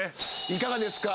いかがですか？